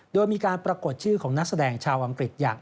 โดยมีการปรากฏชื่อของนักแสดงชาวอังกฤษอย่าง